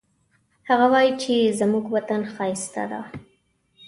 هغه وایي چې زموږ وطن ښایسته ده